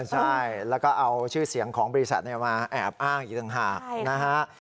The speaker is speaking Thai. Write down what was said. ใช่แล้วก็เอาชื่อเสียงของบริษัทมาแอบอ้างอีกต่างหากนะฮะ